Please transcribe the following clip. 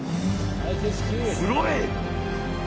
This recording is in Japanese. すごい！